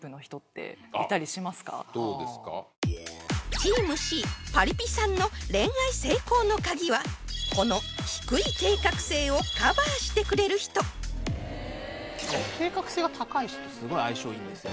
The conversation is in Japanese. チームＣパリピさんの恋愛成功のカギはこの低い計画性をカバーしてくれる人計画性が高い人とすごい相性いいんですよ